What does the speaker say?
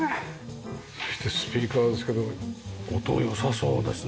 そしてスピーカーですけど音良さそうですね。